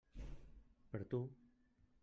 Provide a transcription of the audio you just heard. Per tu.